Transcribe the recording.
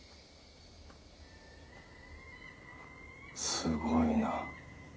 すごいな。